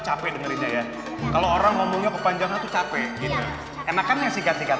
capek dengerin aja kalau orang ngomongnya kepanjangan capek enakan yang singkat singkat